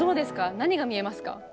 何が見えますか？